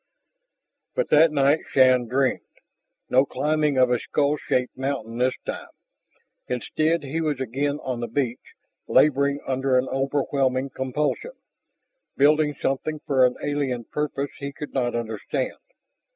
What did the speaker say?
But that night Shann dreamed. No climbing of a skull shaped mountain this time. Instead, he was again on the beach, laboring under an overwhelming compulsion, building something for an alien purpose he could not understand.